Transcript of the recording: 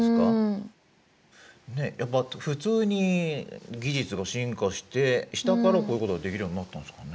ねえやっぱ普通に技術が進化したからこういうことができるようになったんすかね。